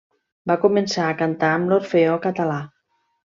Va començar a cantar amb l'Orfeó Català.